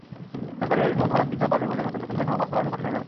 সরকারের ওপর আর্থিক চাপ বাড়বে বলে নতুন বেতনকাঠামো বাস্তবায়নও কঠিন হয়ে যাবে।